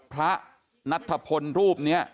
พระนัทธพลรูปนี้